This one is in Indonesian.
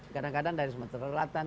kadang kadang dari sumatera selatan